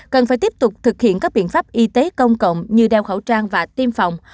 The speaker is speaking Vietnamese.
cần phải tiếp tục thực hiện các biện pháp y tế công cộng như đeo khẩu trang và tiêm phòng